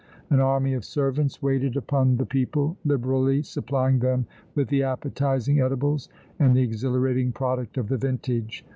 An army of servants waited upon the people, liberally supplying them with the appetizing edibles and the exhilarating product of the vintage.